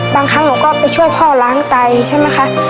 ครั้งหนูก็ไปช่วยพ่อล้างไตใช่ไหมคะ